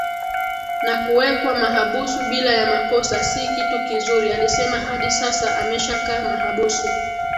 na kuwekwa mahabusu bila ya makosa Si kitu kizuriAlisema hadi sasa ameshakaa mahabusu